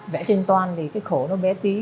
vẽ trên toàn thì cái khổ nó bé tí